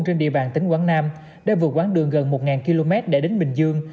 trên địa bàn tỉnh quảng nam đã vượt quãng đường gần một km để đến bình dương